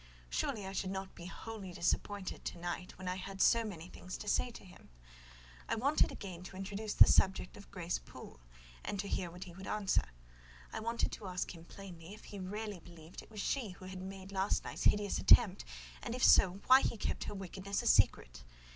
Surely I should not be wholly disappointed to night, when I had so many things to say to him! I wanted again to introduce the subject of Grace Poole, and to hear what he would answer; I wanted to ask him plainly if he really believed it was she who had made last night's hideous attempt; and if so, why he kept her wickedness a secret.